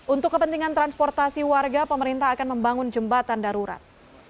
untuk kepentingan transportasi warga pemerintah akan membangun jembatan darurat